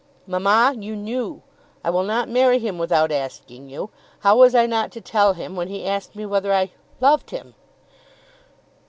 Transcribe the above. "Mamma, you knew. I will not marry him without asking you. How was I not to tell him when he asked me whether I loved him?"